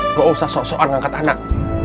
tidak usah sok sokan mengangkat anak